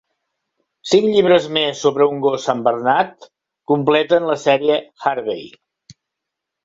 Cinc llibres més sobre un gos santbernat completen la sèrie "Harvey".